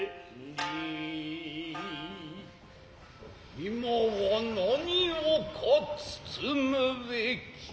今は何をか包むべき。